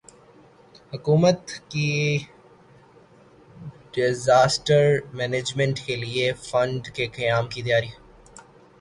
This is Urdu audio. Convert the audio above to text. حکومت کی ڈیزاسٹر مینجمنٹ کیلئے فنڈ کے قیام کی تیاری